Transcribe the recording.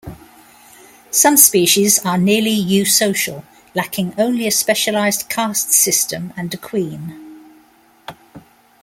Some species are nearly eusocial, lacking only a specialized caste system and a queen.